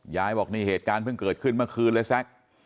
บอกนี่เหตุการณ์เพิ่งเกิดขึ้นเมื่อคืนเลยแซ็ก